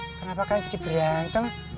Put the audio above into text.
kenapa kalian cuci berianta mah